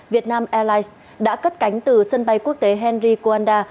việt nam airlines đã cất cánh từ sân bay quốc tế henry kuanda